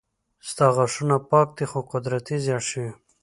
ستا غاښونه پاک دي خو قدرتي زيړ شوي دي